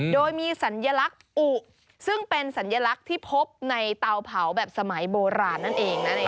โดยมีสัญลักษณ์อุซึ่งเป็นสัญลักษณ์ที่พบในเตาเผาแบบสมัยโบราณนั่นเองนะ